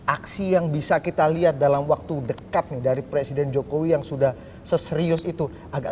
aksi yang bisa kita lihat dalam waktu dekat nih dari presiden jokowi yang sudah seserius itu agak